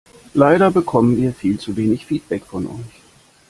Leider bekommen wir viel zu wenig Feedback von euch.